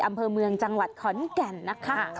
อำเภอเมืองจังหวัดขอนแก่นนะคะ